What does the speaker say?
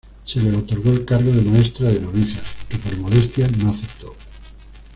Se le otorgó el cargo de maestra de novicias, que por modestia no aceptó.